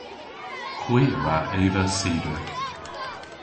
Hwi a wra eva cider.